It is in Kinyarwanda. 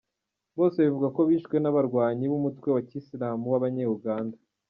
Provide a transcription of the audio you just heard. Bose bivugwa ko bishwe n’abarwanyi b’umutwe wa ki Islam w’abanye Uganda.